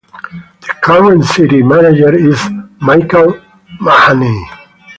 The current City Manager is Michael Mahaney.